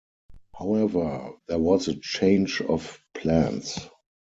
However, there was a change of plans.